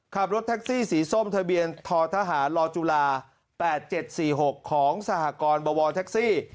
ขับรถแท็กซี่สีส้มทะเบียนททหารลจุฬา๘๗๔๖ของสหกรณ์บวแท็กซี่